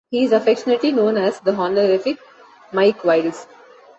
He is affectionately known as 'The Honorific' Mike Wilds.